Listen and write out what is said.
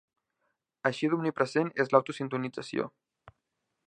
Així d'omnipresent és l'auto-sintonització.